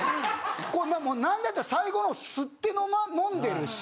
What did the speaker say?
こうなんだったら最後のほう吸って飲んでるし。